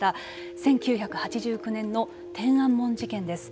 １９８９年の天安門事件です。